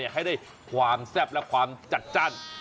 ให้ได้ความแซ่บและความจัดจ้าน